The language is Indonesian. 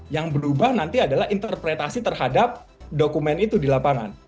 yang berubah nanti adalah interpretasi terhadap dokumen itu di lapangan